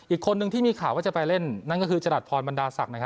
อีกคนนึงที่มีข่าวว่าจะไปเล่นนั่นก็คือจรัสพรบรรดาศักดิ์